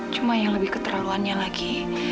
cuma yang lebih keterlaluannya lagi